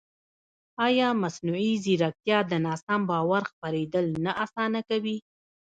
ایا مصنوعي ځیرکتیا د ناسم باور خپرېدل نه اسانه کوي؟